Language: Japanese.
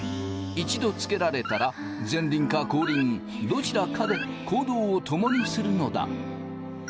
一度つけられたら前輪か後輪どちらかで行動を共にするのだ。